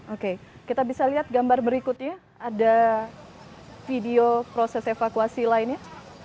oke kita bisa lihat gambar berikutnya ada video proses evakuasi lainnya